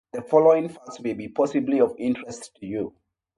The following facts may possibly be of interest to you.